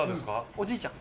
おじいちゃん。